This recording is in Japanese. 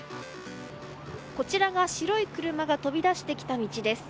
こちらが白い車が飛び出してきた道です。